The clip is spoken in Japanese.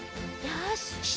よし。